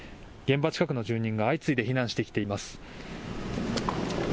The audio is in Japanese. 現場近くの住人が相次いで避難してきています。